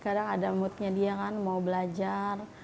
kadang ada moodnya dia kan mau belajar